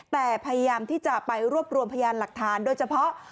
แต่พยายามที่จะไปรวบรวมพยานหลักฐานโดยเฉพาะ